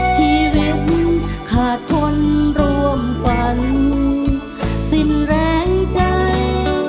ชีวิตริ้วขาดคนร่วมฝันสิ้นแรงใจ